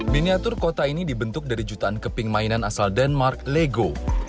miniatur kota ini dibentuk dari jutaan keping mainan asal denmark lego